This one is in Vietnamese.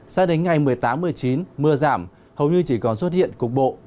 sao đến ngày một mươi tám một mươi chín mưa giảm hầu như chỉ còn xuất hiện cục bộ